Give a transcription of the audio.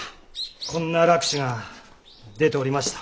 こんな落首が出ておりました。